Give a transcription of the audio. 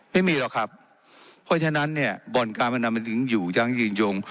ไม่มีหรอกครับเพราะฉะนั้นเนี่ยบ่อนการพนันมันถึงอยู่ยั้งยืนยง